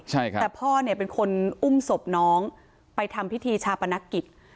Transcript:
ใช่ครับแต่พ่อเนี่ยเป็นคนอุ้มศพน้องไปทำพิธีชาปนกิจ